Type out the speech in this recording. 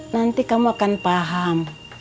nanti kamu akan paham